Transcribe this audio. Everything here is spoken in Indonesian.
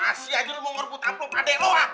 ah masih aja lo mau ngorbut aplop adek lo ah